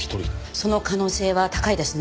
その可能性は高いですね。